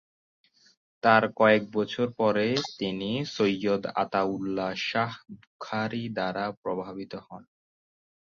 তার কয়েক বছর পরে তিনি সৈয়দ আতা উল্লাহ শাহ বুখারী দ্বারা প্রভাবিত হন।